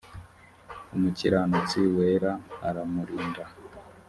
umukiranutsi wera aramurinda